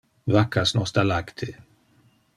Vaccas nos da lacte.